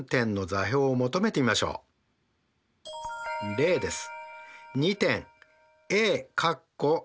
例です。